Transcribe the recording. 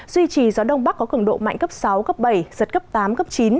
duy trì gió đông bắc có cường độ mạnh cấp sáu cấp bảy giật cấp tám cấp chín